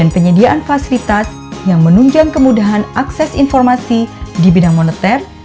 penyediaan fasilitas yang menunjang kemudahan akses informasi di bidang moneter